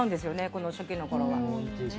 この初期の頃は。